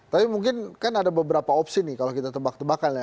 tapi mungkin kan ada beberapa opsi nih kalau kita tebak tebakan ya